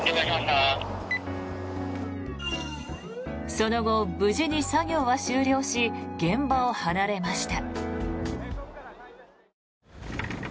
その後、無事に作業は終了し現場を離れました。